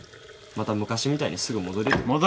また昔みたいにすぐ戻れるよ。